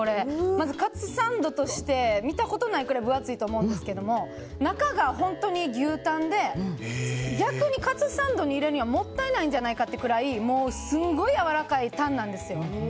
まずカツサンドとして見たことがないくらい分厚いと思うんですけど中が本当に牛タンで逆にカツサンドに入れるにはもったいないんじゃないかというぐらいすごいやわらかいタンなんです。